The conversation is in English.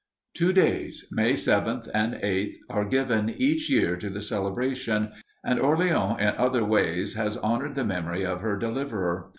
Two days, May seventh and eighth, are given each year to the celebration, and Orleans in other ways has honored the memory of her deliverer.